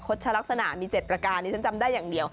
ชะลักษณะมี๗ประการที่ฉันจำได้อย่างเดียว